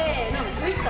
グイッと。